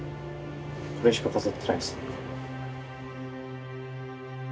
これしか飾ってないです。